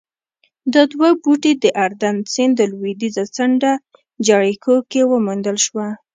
دا دوه بوټي د اردن سیند لوېدیځه څنډه جریکو کې وموندل شول